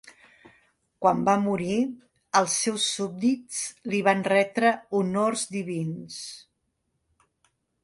Quan va morir, els seus súbdits li van retre honors divins.